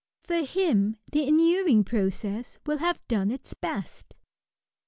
For him the inuring process will have done its best.